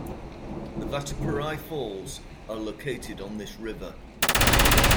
The Vattaparai Falls are located on this river.